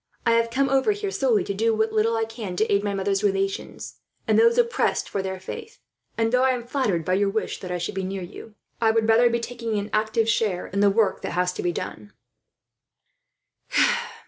I have come over here solely to do what little I can to aid my mother's relations, and those oppressed for their faith; and though I am flattered by your wish that I should be near you, I would rather be taking an active share in the work that has to be done."